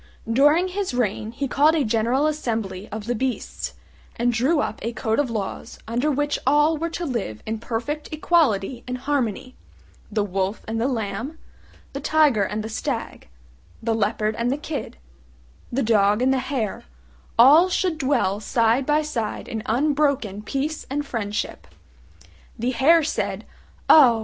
During his reign he called a general assembly of the beasts, and drew up a code of laws under which all were to live in perfect equality and harmony: the wolf and the lamb, the tiger and the stag, the leopard and the kid, the dog and the hare, all should dwell side by side in unbroken peace and friendship. The hare said, "Oh!